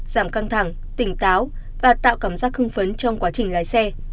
giảm căng thẳng tỉnh táo và tạo cảm giác hưng phấn trong quá trình lái xe